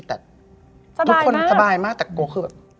แต่ทุกคนสบายมากแต่กลัวคือแบบ